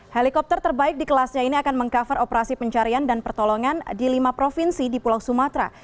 helikopter terbaik di kelasnya ini akan meng cover operasi pencarian dan pertolongan di lima provinsi di pulau sumatera